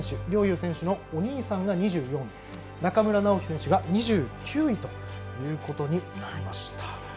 陵侑選手のお兄さんが２４位中村直幹選手が２９位ということになりました。